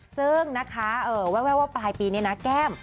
ซึ่งแวบปลายปีนี้แก้ม